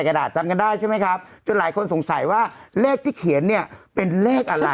กระดาษจำกันได้ใช่ไหมครับจนหลายคนสงสัยว่าเลขที่เขียนเนี่ยเป็นเลขอะไร